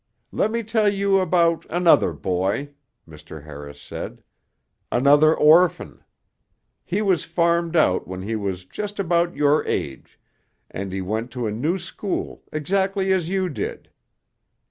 "Let me tell you about another boy," Mr. Harris said, "another orphan. He was farmed out when he was just about your age, and he went to a new school exactly as you did.